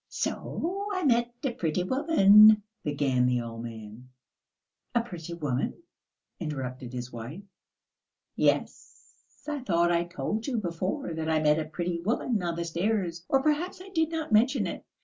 "So I met a pretty woman ..." began the old man. "A pretty woman!" interrupted his wife. "Yes.... I thought I told you before that I met a pretty woman on the stairs, or perhaps I did not mention it?